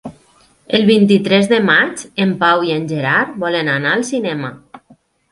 El vint-i-tres de maig en Pau i en Gerard volen anar al cinema.